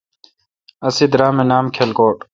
اسے درام اے° نام کلکوٹ۔